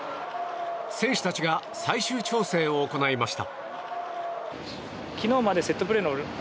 選手たちが最終調整を行いました。